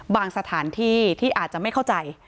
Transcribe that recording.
สถานที่ที่อาจจะไม่เข้าใจ